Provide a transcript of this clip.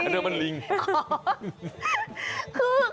คือวันหลังสะกิดหน่อย